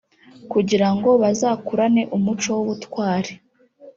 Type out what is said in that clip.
kugira ngo bazakurane umuco w’ubutwari